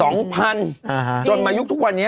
โอวลุ้นพี่ที่เคยประท้วงน่ะโม๊ต